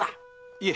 いえ。